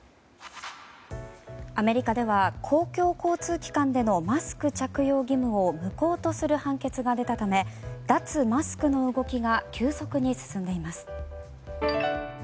アメリカでは公共交通機関でのマスク着用義務を無効とする判決が出たため脱マスクの動きが急速に進んでいます。